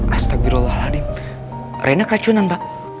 astagfirullahaladzim renek racunan pa